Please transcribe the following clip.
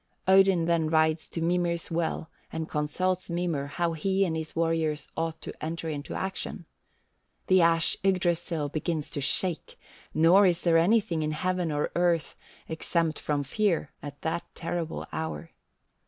Odin then rides to Mimir's well and consults Mimir how he and his warriors ought to enter into action. The ash Yggdrasill begins to shake, nor is there anything in heaven or earth exempt from fear at that terrible hour.